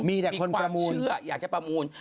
มีแต่คนประมูลมีความเชื่ออยากจะประมูล